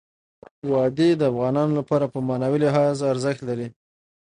وادي د افغانانو لپاره په معنوي لحاظ ارزښت لري.